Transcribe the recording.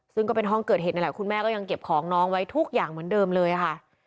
ซึ่งก็เป็นห้องเกิดเหตุนั่นแหละคุณแม่ก็ยังเก็บของน้องไว้ทุกอย่างเหมือนเดิมเลยค่ะ